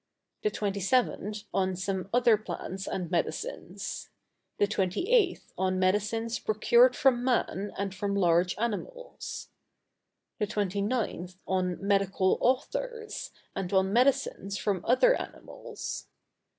The 27th on some other Plants and Medicines. The 28th on Medicines procured from Man and from large Animals. The 29th on Medical Authors, and on Medicines from other Animals.